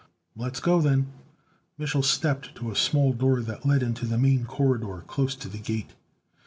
"Let's go, then." Mich'l stepped to a small door that led into the main corridor close to the Gate.